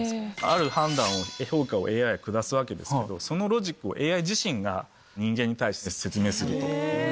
ある判断を評価をＡＩが下すわけですけどそのロジックをＡＩ自身が人間に対して説明すると。